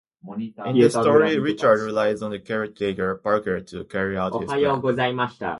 In the story, Richard relies on the caretaker, Parker, to carry out his plan.